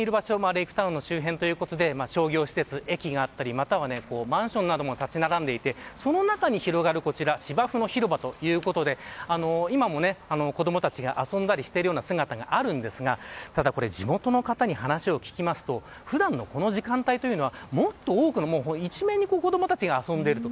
レイクタウンの周辺ということで商業施設、駅があったりまたはマンションなども立ち並んでいてその中に広がる芝生の広場ということで今も子供たちが遊んだりしているような姿があるんですがただこれ地元の方に話を聞きますと普段のこの時間帯というのはもっと多く、一面に子供たちが遊んでいると。